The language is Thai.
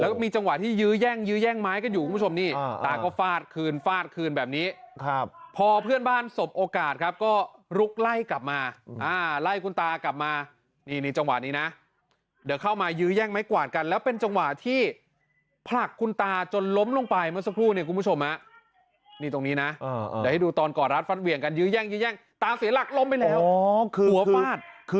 แล้วก็มีจังหวะที่ยื้อย่างยื้อย่างไม้ก็อยู่คุณผู้ชมนี่ตาก็ฟาดคืนฟาดคืนแบบนี้ครับพอเพื่อนบ้านสมโอกาสครับก็ลุกไล่กลับมาอ่าไล่คุณตากลับมานี่นี่จังหวะนี้น่ะเดี๋ยวเข้ามายื้อย่างไม้กวาดกันแล้วเป็นจังหวะที่ผลักคุณตาจนล้มลงไปเมื่อสักครู่นี่คุณผู้ชมน่ะนี่ตรงนี้น่ะเดี๋ยวให้ดู